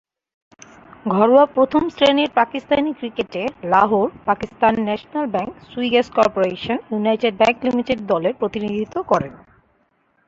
ঘরোয়া প্রথম-শ্রেণীর পাকিস্তানি ক্রিকেটে Lahore, Pakistan National Bank, Sui Gas Corporation, United Bank Limited দলের প্রতিনিধিত্ব করেন।